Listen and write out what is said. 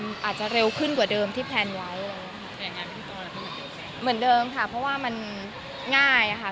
อาจจะเร็วขึ้นกว่าเดิมที่แพลนไว้เลยเหมือนเดิมค่ะเพราะว่ามันง่ายอ่ะค่ะ